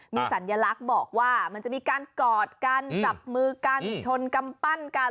มีสัญลักษณ์บอกว่ามันจะมีการกอดกันจับมือกันชนกำปั้นกัน